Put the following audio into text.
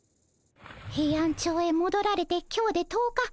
ヘイアンチョウへもどられて今日で１０日。